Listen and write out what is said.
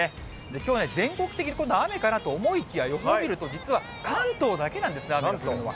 きょうね、全国的に雨かなと思いきや、予報見ると、実は関東だけなんですね、雨雲は。